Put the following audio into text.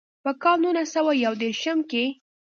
پۀ کال نولس سوه يو ديرشم کښې